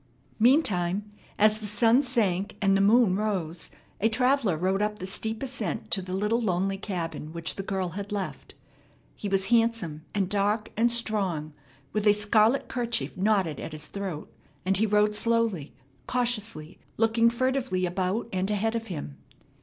Meantime, as the sun sank and the moon rose, a traveller rode up the steep ascent to the little lonely cabin which the girl had left. He was handsome and dark and strong, with a scarlet kerchief knotted at his throat; and he rode slowly, cautiously, looking furtively about and ahead of him.